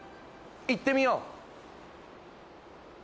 行ってみよう！